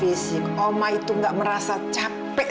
aida butuh bapak